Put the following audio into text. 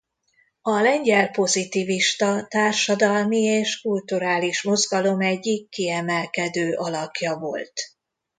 A lengyel pozitivista társadalmi és kulturális mozgalom egyik kiemelkedő alakja volt.